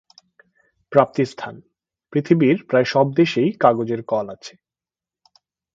প্রাপ্তিস্থান: পৃথিবীর প্রায় সব দেশেই কাগজের কল আছে।